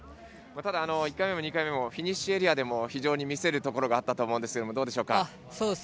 ただ、１回目も２回目もフィニッシュエリアでも非常に見せるところがあったと思うんですけどどうでしょうか。